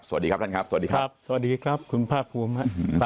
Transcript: สวัสดีครับท่านครับสวัสดีครับสวัสดีครับคุณภาคภูมิครับ